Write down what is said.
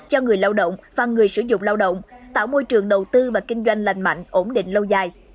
cho người lao động và người sử dụng lao động tạo môi trường đầu tư và kinh doanh lành mạnh ổn định lâu dài